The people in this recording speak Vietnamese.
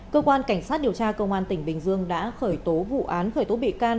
cơ quan cảnh sát điều tra công an tỉnh bình dương đã khởi tố vụ án khởi tố bị can